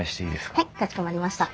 はいかしこまりました。